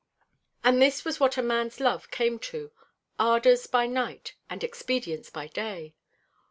And this was what a man's love came to: ardors by night and expedience by day!